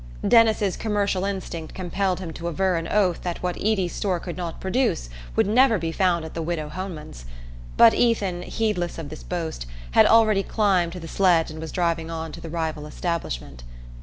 Denis's commercial instinct compelled him to aver on oath that what Eady's store could not produce would never be found at the widow Homan's; but Ethan, heedless of this boast, had already climbed to the sledge and was driving on to the rival establishment.